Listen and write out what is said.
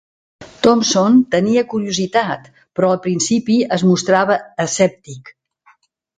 Thomson tenia curiositat però al principi es mostrava escèptic.